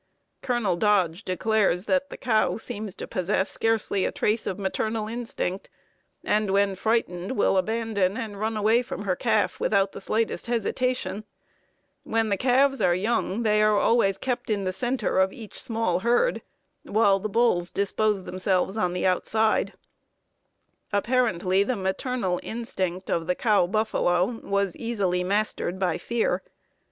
Colonel Dodge declares that "the cow seems to possess scarcely a trace of maternal instinct, and, when frightened, will abandon and run away from her calf without the slightest hesitation. When the calves are young they are always kept in the center of each small herd, while the bulls dispose themselves on the outside." [Note 28: Plains of the Great West, pp. 124, 125.] Apparently the maternal instinct of the cow buffalo was easily mastered by fear.